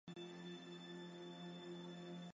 名单中已拆除的建筑名称以灰色表示。